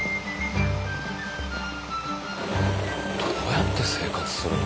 どうやって生活するの？